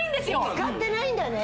使ってないんだね？